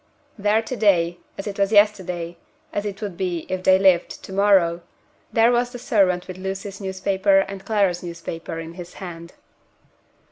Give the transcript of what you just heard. There to day as it was yesterday; as it would be, if they lived, to morrow there was the servant with Lucy's newspaper and Clara's newspaper in his hand!